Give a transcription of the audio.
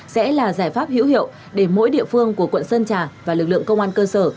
sẽ là giải pháp hữu hiệu để mỗi địa phương của quận sơn trà và lực lượng công an cơ sở